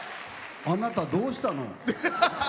あなた、どうしたの？